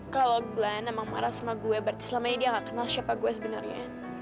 kalau glenn emang marah sama gue berarti selama ini dia gak kenal siapa gue sebenarnya